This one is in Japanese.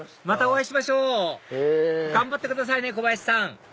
またお会いしましょう頑張ってくださいね小林さん